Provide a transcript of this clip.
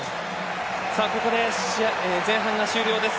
ここで前半が終了です。